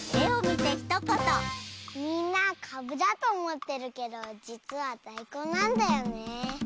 「みんなかぶだとおもってるけどじつはだいこんなんだよね」。